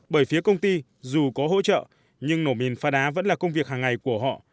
bởi phía công ty dù có hỗ trợ nhưng nổ mìn pha đá vẫn là công việc hàng ngày của họ